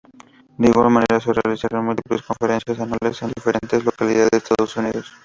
De igual manera se realizaron múltiples conferencias anuales en diferentes localidades de Estados Unidos.